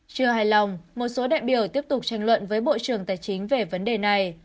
chưa hài lòng một số đại biểu tiếp tục tranh luận với bộ trưởng tài chính về vấn đề này